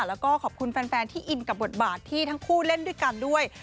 แล้วก็ขอบคุณแฟนที่อินกับบทบาทที่ทั้งคู่เล่นด้วยกันด้วย